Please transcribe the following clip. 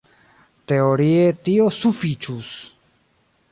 Teorie tio sufiĉus.